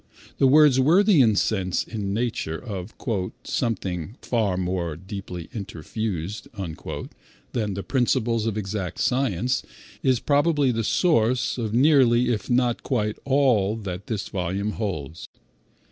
The Wordsworthian sense in nature, of "something far more deeply interfused" than the principles of exact science, is probably the source of nearly if not quite all that this volume holds.